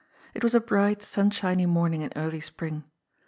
It was a bright, sunshiny morning in early spring.